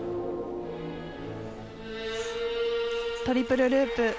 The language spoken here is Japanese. トリプルループ。